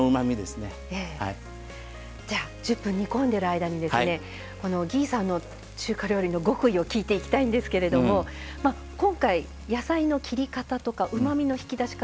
１０分煮込んでいる間に魏さんの、中華料理の極意を聞いていきたいんですけど今回、野菜の切り方とかうまみの引き出し方